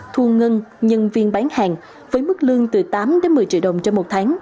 thu ngân nhân viên bán hàng với mức lương từ tám một mươi triệu đồng trên một tháng